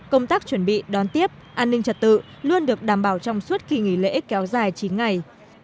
công tác chuẩn bị đón tiếp an ninh trật tự luôn được đảm bảo trong suốt kỳ nghỉ lễ kéo dài chín ngày